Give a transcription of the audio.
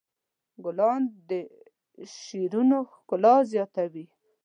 ګلان د شعرونو ښکلا زیاتوي.